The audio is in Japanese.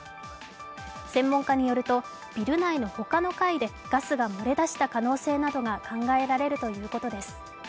専門家によると、ビル内の他の階でガスが漏れ出した可能性などが考えられるということです。